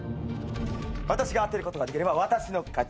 私が当てることができれば私の勝ち。